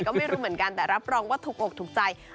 ก็ไม่รู้เหมือนกันแต่รับรองว่าถูกอกถูกใจ